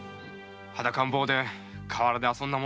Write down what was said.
裸ん坊で川原で遊んだものだ。